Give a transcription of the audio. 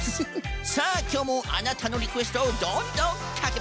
さあきょうもあなたのリクエストをどんどんかけましょう！